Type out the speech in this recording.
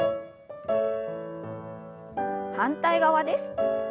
反対側です。